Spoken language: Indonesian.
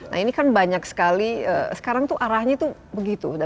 nah ini kan banyak sekali sekarang tuh arahnya tuh begitu